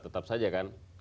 tetap saja kan